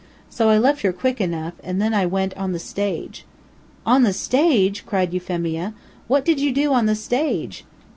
So I left her quick enough, and then I went on the stage." "On the stage!" cried Euphemia. "What did you do on the stage?"